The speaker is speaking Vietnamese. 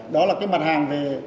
đó là cái mặt hàng về